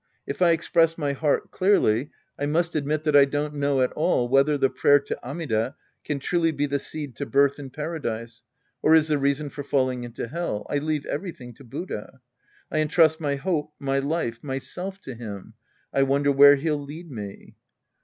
If I express my heart clearly, I must admit that I don't know at all whether the prayer to Amida can truly be the seed to birth in Paradise or is the reason for falling into Hell. I leave everything to Buddha. I entrust my hope, my life, myself to him. I wonder where he'll lead me.